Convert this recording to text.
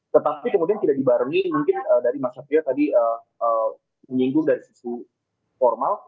tetapi kemudian tidak dibarengi mungkin dari mas satrio tadi menyinggung dari sisi formal